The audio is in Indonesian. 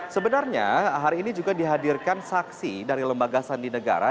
sebenarnya hari ini juga dihadirkan saksi dari lembaga sandi negara